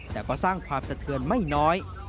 แต่ก็สร้างความสะเทือนไม่น้อย